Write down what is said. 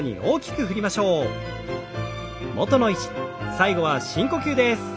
最後は深呼吸です。